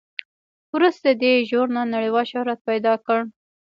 وروسته دې ژورنال نړیوال شهرت پیدا کړ.